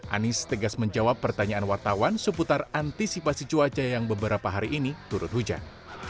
anies tegas menjawab pertanyaan wartawan seputar antisipasi cuaca yang beberapa hari ini turut hujan